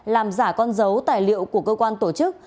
làm giả con dấu tài liệu của cơ quan tổ chức